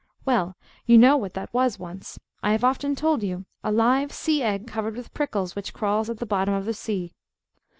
Well; you know what that was once. I have often told you: a live sea egg, covered with prickles, which crawls at the bottom of the sea.